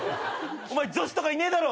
女子とかいねえだろ！